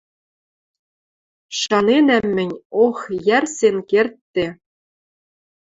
Шаненӓм мӹнь, ох, йӓрсен кердде